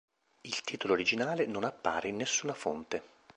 Il titolo originale non appare in nessuna fonte.